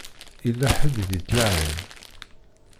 Yella ḥedd i d-ittlaɛin.